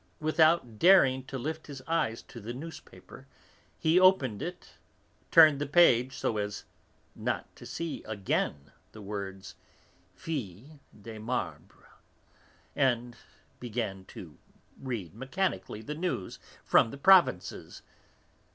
Without daring to lift his eyes to the newspaper, he opened it, turned the page so as not to see again the words, Filles de Marbre, and began to read mechanically the news from the provinces.